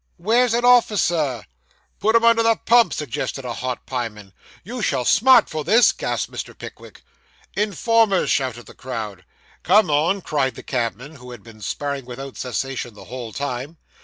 'Where's an officer?' said Mr. Snodgrass. 'Put 'em under the pump,' suggested a hot pieman. 'You shall smart for this,' gasped Mr. Pickwick. 'Informers!' shouted the crowd. 'Come on,' cried the cabman, who had been sparring without cessation the whole time.